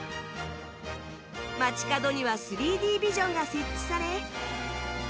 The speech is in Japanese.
街角には ３Ｄ ビジョンが設置され